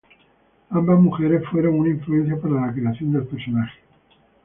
Ambas mujeres fueron una influencia para la creación del personaje.